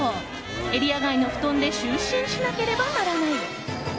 エリア外の布団で就寝しなければならない。